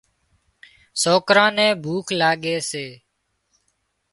سوڪران نين ڀوک لاڳي سي